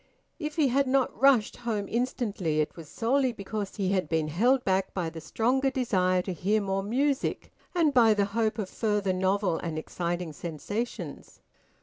If he had not rushed home instantly it was solely because he had been held back by the stronger desire to hear more music and by the hope of further novel and exciting sensations.